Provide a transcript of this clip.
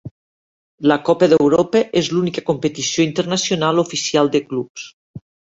La Copa d'Europa és l'única competició internacional oficial de clubs.